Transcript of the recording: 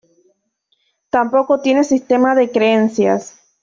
Tampoco tiene sistema de creencias.